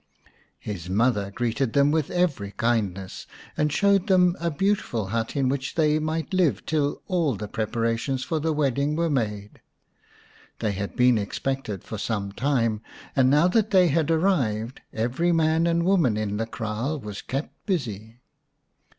His mother greeted them with every kindness, and showed them a beautiful hut in which they might live till all the preparations for the wedding were made. They had been expected for some time, and now that they had arrived every man and woman in the kraal was kept busy.